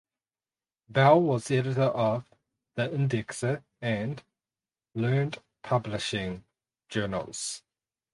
Bell was editor of "The Indexer" and "Learned Publishing" journals.